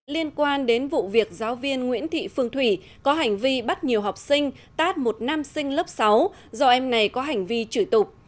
liên quan đến vụ việc giáo viên nguyễn thị phương thủy có hành vi bắt nhiều học sinh tát một nam sinh lớp sáu do em này có hành vi chửi tục